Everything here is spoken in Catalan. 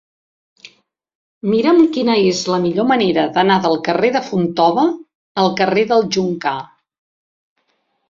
Mira'm quina és la millor manera d'anar del carrer de Fontova al carrer del Joncar.